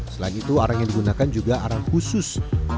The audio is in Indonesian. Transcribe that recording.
selain itu arang yang digunakan juga arang khusus